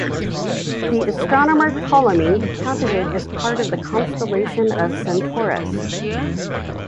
The astronomer Ptolemy counted it as part of the constellation of Centaurus.